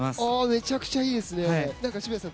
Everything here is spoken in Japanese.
めちゃくちゃいいですね渋谷さん